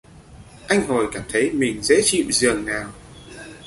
A hồi cảm thấy mình dễ chịu dường nào